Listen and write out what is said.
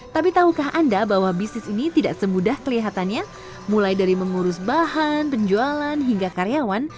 tidak semudah kelihatannya mulai dari mengurus bahan penjualan hingga karyawan